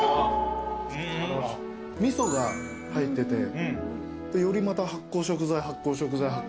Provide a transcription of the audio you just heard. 味噌が入っててよりまた発酵食材発酵食材。